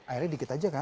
airnya dikit aja kan